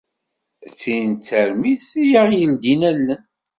Tin d tarmit ay aɣ-yeldin allen.